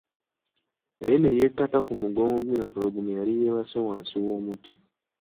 Naye ne yekkata ku mugongo gw'empologoma eyali yeebase wansi w'omuti.